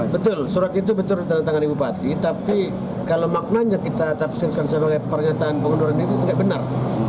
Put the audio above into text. betul surat itu betul ditandatangani bupati tapi kalau maknanya kita tafsirkan sebagai pernyataan pengunduran diri itu tidak benar